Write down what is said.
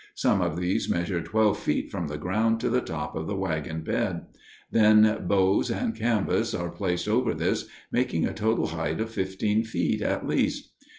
Some of these measure twelve feet from the ground to the top of the wagon bed; then bows and canvas are placed over this, making a total height of fifteen feet, at least.